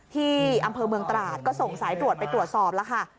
ที่อำเภอเมืองตราดก็ส่งสายตรวจไปตรวจสอบแล้วค่ะ